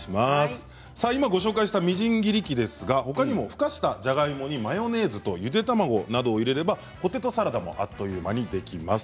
今ご紹介したみじん切り器ですがほかにもふかしたじゃがいもにマヨネーズとゆで卵などを入れればポテトサラダもあっという間にできます。